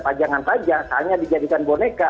pajangan saja hanya dijadikan boneka